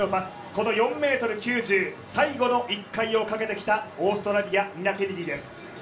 この４ｍ９０、最後の１回をかけてきたオーストラリアニナ・ケネディです。